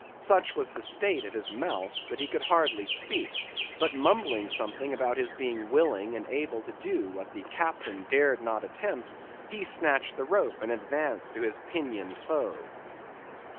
Such was the state of his mouth, that he could hardly speak; but mumbling something about his being willing and able to do what the captain dared not attempt, he snatched the rope and advanced to his pinioned foe.